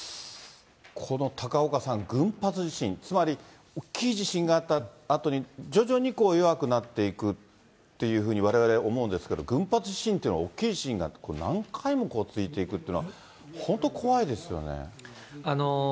この高岡さん、群発地震、つまり大きい地震があったあとに、徐々に弱くなっていくっていうふうにわれわれは思うんですけど、群発地震というのは大きい地震が何回も続いていくってのは、本当、怖いですよね。